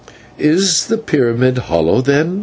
"Is the pyramid hollow, then?"